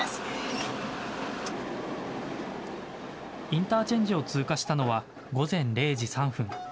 インターチェンジを通過したのは午前０時３分。